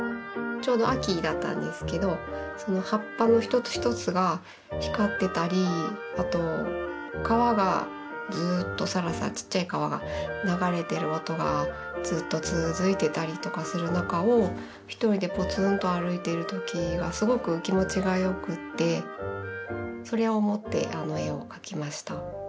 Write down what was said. ちょうど秋だったんですけどその葉っぱの一つ一つが光ってたりあと川がサラサラちっちゃい川が流れてる音がずっと続いてたりとかする中を一人でぽつんと歩いている時がすごく気持ちがよくってそれを思って絵を描きました。